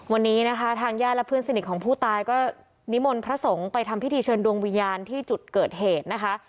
วันนี้นะคะทางญาติและเพื่อนสนิทของผู้ตายก็นิมนต์พระสงฆ์ไปทำพิธีเชิญดวงวิญญาณที่จุดเกิดเหตุนะคะ